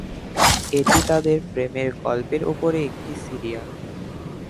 এটি তাদের প্রেমের গল্পের উপরে একটি সিরিয়াল।